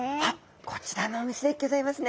こちらのお店でギョざいますね。